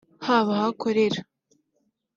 haba aho akorera